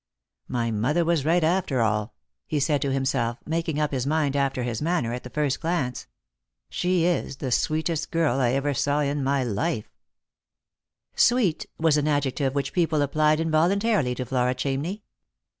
" My mother was right after all," he said to himself, making up his mind, after his manner, at the first glance. " She is the sweetest girl I ever saw in my life." Lost for Love. 19 "Sweet" was an adjective which people applied involuntarily to Flora Chamney.